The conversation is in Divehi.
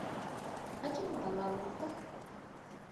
އަޖުމަ ބަލާލިންތަ؟